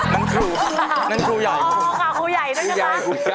นั่นคู่นั่นคู่ใหญ่คู่คู่ใหญ่คู่ใหญ่คู่ใหญ่